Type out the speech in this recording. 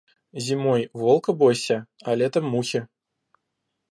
Зимой волка бойся, а летом мухи.